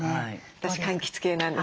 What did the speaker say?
私かんきつ系なんです。